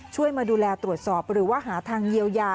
มาดูแลตรวจสอบหรือว่าหาทางเยียวยา